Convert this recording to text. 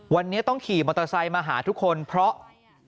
วันนี้ต้องขี่มอเตอร์ไซค์มาหาทุกคนเพราะ